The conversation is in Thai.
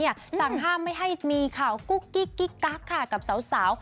ต่างห้ามไม่ให้มีข่าวกุ้กกี้กี้กั๊บกับสาว